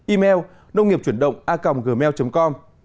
email nông nghiệpchuyểnđộngacomgmail com